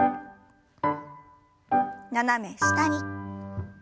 斜め下に。